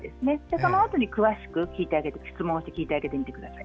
そのあとに詳しく質問して聞いてあげてください。